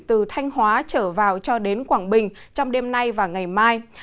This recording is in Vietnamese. từ thanh hóa trở vào cho đến quảng bình trong đêm nay và ngày mai